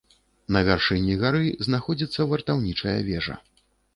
На вяршыні гары знаходзіцца вартаўнічая вежа.